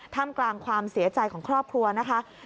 กลางความเสียใจของครอบครัวนะคะ